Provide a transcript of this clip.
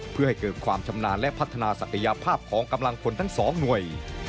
เพื่อให้เกิดความชำนาญและพัฒนาศักยภาพของกำลังพลทั้งสองหน่วย